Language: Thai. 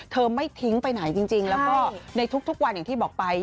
ไม่ทิ้งไปไหนจริงแล้วก็ในทุกวันอย่างที่บอกไป